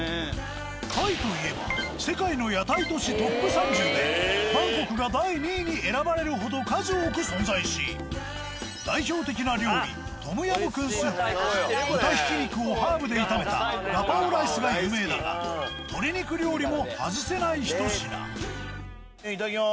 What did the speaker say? タイといえば世界の屋台都市トップ３０でバンコクが第２位に選ばれるほど数多く存在し代表的な料理トムヤムクンスープ豚ひき肉をハーブで炒めたガパオライスが有名だが鶏肉料理も外せないひと品。